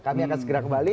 kami akan segera kembali